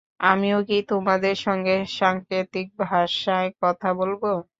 আমিও কি তোমাদের সঙ্গে সাংকেতিক ভাষায় কথা বলব?